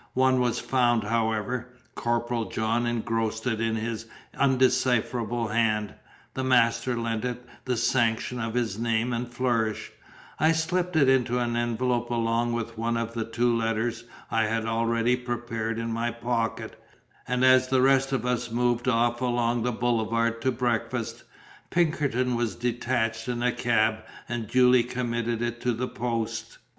One was found, however: Corporal John engrossed it in his undecipherable hand, the master lent it the sanction of his name and flourish, I slipped it into an envelope along with one of the two letters I had ready prepared in my pocket, and as the rest of us moved off along the boulevard to breakfast, Pinkerton was detached in a cab and duly committed it to the post.